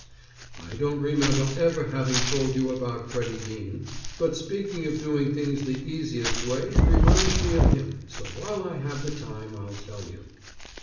I don't remember ever having told you about Freddy Bean, but speaking of doing things the easiest way reminds me of him, so while I have the time I'll tell you.